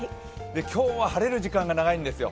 今日は晴れる時間が長いんですよ。